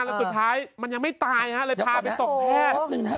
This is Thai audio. แล้วสุดท้ายมันยังไม่ตายฮะเลยพาไปส่งแพทย์